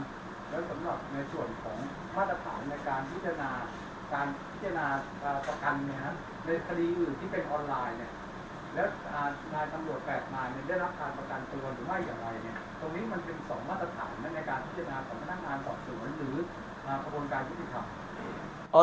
ตรงนี้มันเป็นสองว่าสถานในการพิจารณาของพนักงานสอบสวนหรือประบวนการพิจารณ์ของพ่อเอง